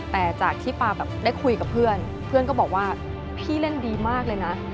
แต่จากที่ปาแบบได้คุยกับเพื่อนเพื่อนก็บอกว่าพี่เล่นดีมากเลยนะ